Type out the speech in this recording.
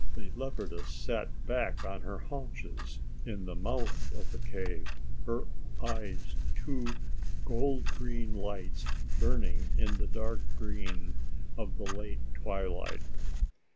The leopardess sat back on her haunches in the mouth of the cave, her eyes two gold green lights burning in the dark green of the late twilight.